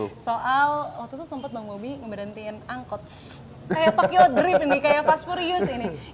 soal waktu itu sempat bang bobby ngeberhentiin angkot kayak tokyo drift ini kayak fast furious ini